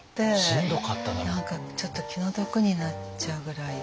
何かちょっと気の毒になっちゃうぐらい。